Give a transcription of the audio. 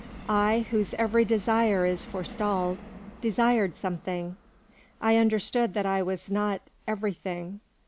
I, whose every desire is forestalled, desired something; I understood that I was not everything.